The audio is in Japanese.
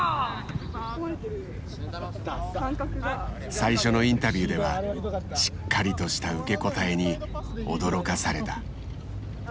最初のインタビューではしっかりとした受け答えに驚かされた。